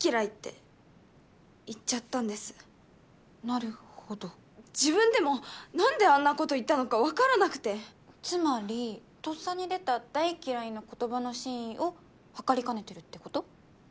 なるほど自分でもなんであんなこと言ったのかわからなくてつまりとっさに出た「大嫌い」の言葉の真意を測りかねてるってこと？